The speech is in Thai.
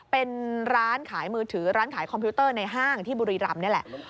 เป็นร้านขายมือถือร้านขายคอมพิวเตอร์ในห้างที่บุรีรำนี่แหละ